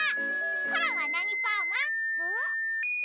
コロンはなにパーマ？あう？